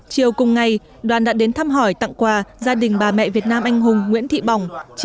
chiều cùng ngày đoàn đã đến thăm hỏi tặng quà gia đình bà mẹ việt nam anh hùng nguyễn thị bỏng